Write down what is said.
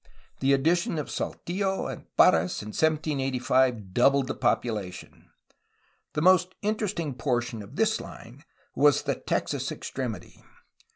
The addition of Saltillo and Parras in 1785 doubled the population. The most interesting portion of this line was the Texas ex tremity.